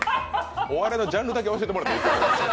お笑いのジャンルだけ教えてもらっていいですか。